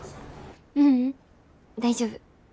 ううん大丈夫。